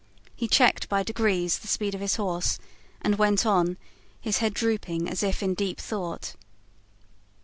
He checked by degrees the speed of his horse and went on, his head drooping as if in deep thought.